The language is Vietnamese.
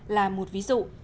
là một ví dụ